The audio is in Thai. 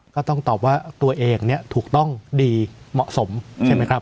ก็ต้องตอบว่าตัวเองเนี่ยถูกต้องดีเหมาะสมใช่ไหมครับ